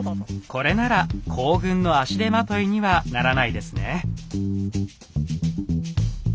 これなら行軍の足手まといにはならないですね。